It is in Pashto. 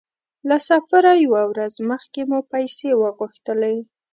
له سفره يوه ورځ مخکې مو پیسې وغوښتلې.